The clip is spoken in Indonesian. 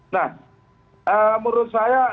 nah menurut saya